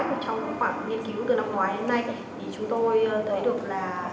trong khoảng nghiên cứu từ năm ngoái đến nay thì chúng tôi thấy được là